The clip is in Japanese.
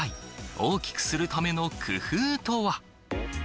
大きくするための工夫とは。